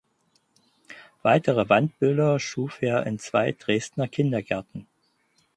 Weitere Wandbilder schuf er in zwei Dresdner Kindergärten.